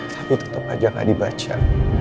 tapi tetap aja gak dibaca